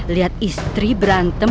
lihat istri berantem